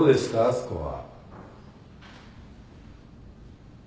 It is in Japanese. スコア。